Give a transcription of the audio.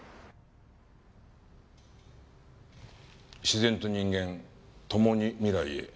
「自然と人間ともに未来へ」。